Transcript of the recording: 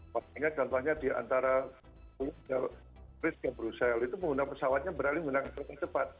makanya contohnya diantara inggris ke brussel itu pengguna pesawatnya beralih menggunakan kereta cepat